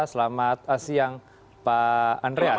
selamat siang pak andreas